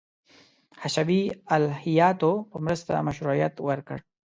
حشوي الهیاتو په مرسته مشروعیت ورکړ.